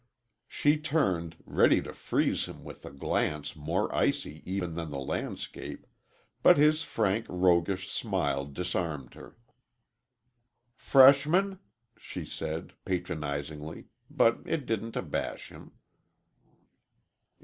She turned, ready to freeze him with a glance more icy even than the landscape, but his frank, roguish smile disarmed her. "Freshman?" she said, patronizingly, but it didn't abash him.